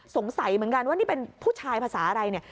สงสัยเหมือนกันว่านี่เป็นผู้ชายภาษาอะไรเนี่ย